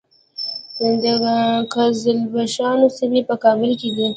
د قزلباشانو سیمې په کابل کې دي